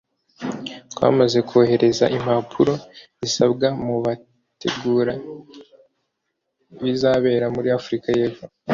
“Twamaze kohereza impapuro zisabwa mu bategura ibizabera muri Afurika y’Epfo